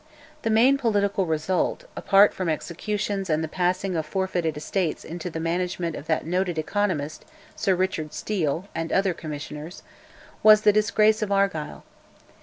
The main political result, apart from executions and the passing of forfeited estates into the management of that noted economist, Sir Richard Steele, and other commissioners, was the disgrace of Argyll.